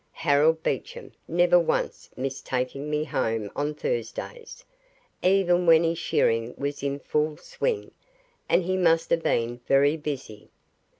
Harold Beecham never once missed taking me home on Thursdays, even when his shearing was in full swing and he must have been very busy.